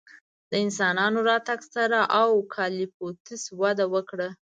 د انسانانو راتګ سره اوکالیپتوس وده وکړه.